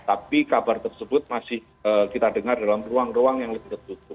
tapi kabar tersebut masih kita dengar dalam ruang ruang yang lebih tertutup